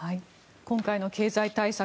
今回の経済対策